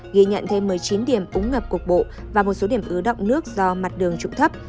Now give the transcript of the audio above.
ghi nhận thêm một mươi chín điểm úng ngập cục bộ và một số điểm ứ động nước do mặt đường trụng thấp